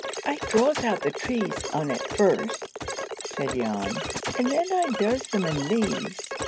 "I draws out the trees on it first," said Jan, "and then I does them in leaves.